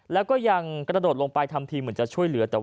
แล้วก็ยังกระโดดลงไปทำทีเหมือนจะช่วยเหลือ